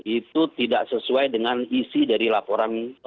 itu tidak sesuai dengan isi dari laporan